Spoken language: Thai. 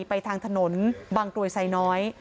ไปทางถนนบางกรวยไซน้อย